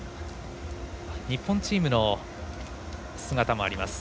日本チームの姿もあります。